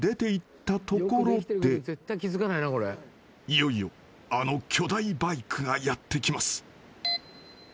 ［いよいよあの巨大バイクがやって来ます］